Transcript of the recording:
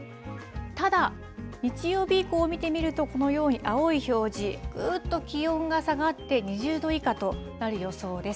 ただ、日曜日以降を見てみると、このように青い表示、ぐっと気温が下がって、２０度以下となる予想です。